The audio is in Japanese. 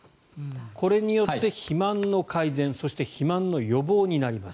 これによって、肥満の改善そして肥満の予防になります。